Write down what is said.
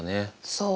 そう。